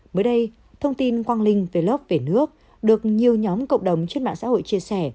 mới đây thông tin quang linh về lớp về nước được nhiều nhóm cộng đồng trên mạng xã hội chia sẻ